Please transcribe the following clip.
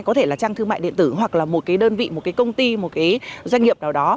có thể là trang thương mại điện tử hoặc là một cái đơn vị một cái công ty một cái doanh nghiệp nào đó